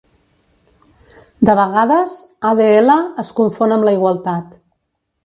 De vegades 'Adl es confon amb la igualtat.